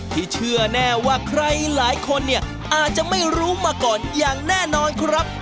ที่เชื่อแน่ว่าใครหลายคนเนี่ยอาจจะไม่รู้มาก่อนอย่างแน่นอนครับ